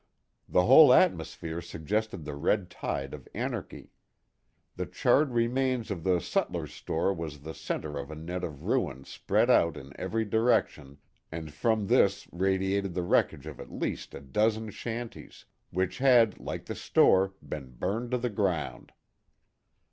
The whole atmosphere suggested the red tide of anarchy. The charred remains of the sutler's store was the centre of a net of ruin spread out in every direction, and from this radiated the wreckage of at least a dozen shanties, which had, like the store, been burned to the ground.